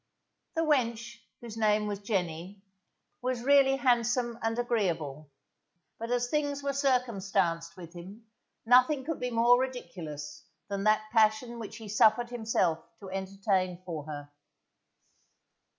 The wench, whose name was Jenny, was really handsome and agreeable, but as things were circumstanced with him, nothing could be more ridiculous than that passion which he suffered himself to entertain for her.